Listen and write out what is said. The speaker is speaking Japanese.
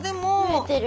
増えてる。